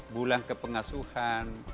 bulan ke pengasuhan